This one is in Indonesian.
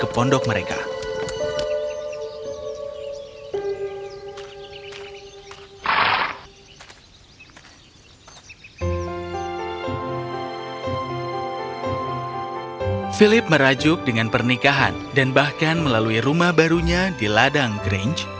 philip merajuk dengan pernikahan dan bahkan melalui rumah barunya di ladang grange